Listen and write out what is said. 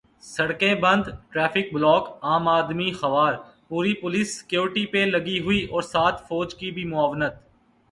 سڑکیں بند، traffic block, عام آدمی خوار، پوری پولیس سکیورٹی پہ لگی ہوئی اور ساتھ فوج کی بھی معاونت۔